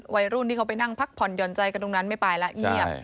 วัยรุ่นที่เขาไปนั่งพักผ่อนหย่อนใจกันตรงนั้นไม่ไปแล้วเงียบ